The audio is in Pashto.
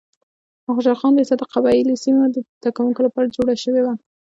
د خوشحال خان لیسه د قبایلي سیمو د زده کوونکو لپاره جوړه شوې وه.